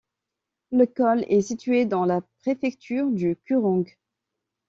Le col est situé dans la préfecture de Kuhrang.